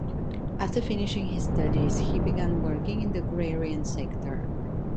After finishing his studies, he began working in the agrarian sector.